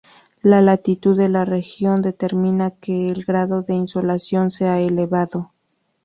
La latitud de la región determina que el grado de insolación sea elevado.